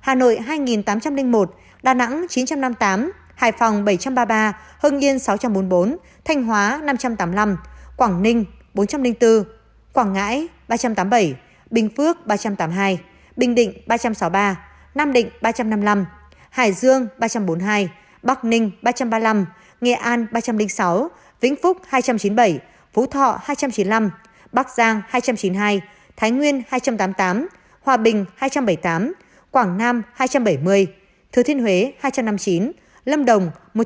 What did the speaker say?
hà nội hai tám trăm linh một ca đà nẵng chín trăm năm mươi tám ca hải phòng bảy trăm ba mươi ba ca hưng yên sáu trăm bốn mươi bốn ca thanh hóa năm trăm tám mươi năm ca quảng ninh bốn trăm linh bốn ca quảng ngãi ba trăm tám mươi bảy ca bình phước ba trăm tám mươi hai ca bình định ba trăm sáu mươi ba ca nam định ba trăm năm mươi năm ca hải dương ba trăm bốn mươi hai ca bắc ninh ba trăm ba mươi năm ca nghệ an ba trăm linh sáu ca vĩnh phúc hai trăm chín mươi bảy ca phú thọ hai trăm chín mươi năm ca bắc giang hai trăm chín mươi hai ca thái nguyên hai trăm tám mươi tám ca hòa bình hai trăm bảy mươi tám ca quảng ninh ba trăm linh sáu ca đà nẵng ba trăm linh sáu ca đà nẵng ba trăm linh sáu ca đà nẵng ba trăm linh sáu ca đà nẵng ba trăm linh sáu ca đà nẵng ba trăm linh sáu ca đà nẵng ba trăm linh sáu ca